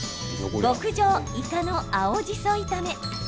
極上イカの青じそ炒め。